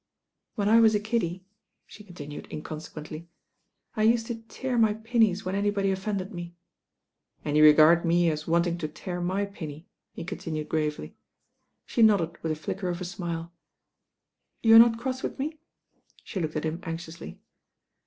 When I was a kiddie," she continued inconsequently, "I used to tear my pinnies when anybody offended me." ^ "And you regard me as wanting to tear my pinny," he continued gravely. She nodded, with a flicker of a smile. "You're not cross with me?" She looked at him anxiously.